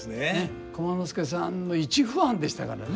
駒之助さんの一ファンでしたからね。